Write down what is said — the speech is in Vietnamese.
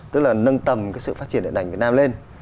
tức là nâng tầm sự phát triển điện ảnh việt nam lên